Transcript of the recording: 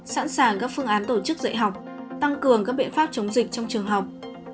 sẵn sàng các phương án tổ chức dạy học tăng cường các biện pháp chống dịch trong trường học